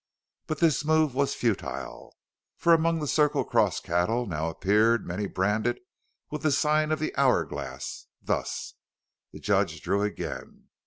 But this move was futile, for among the Circle Cross cattle now appeared many branded with the sign of the 'Hour Glass,' thus:" The judge drew again.